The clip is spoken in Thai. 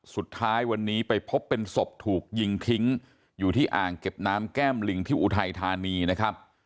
สุดท้ายวันนี้ไปพบเป็นศพถูกยิงทิ้งอยู่ที่อ่างเก็บน้ำแก้มลิงที่อุทัยธานีนะครับ